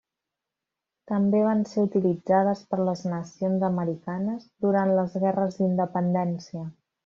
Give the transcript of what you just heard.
També van ser utilitzades per les nacions americanes durant les guerres d'independència.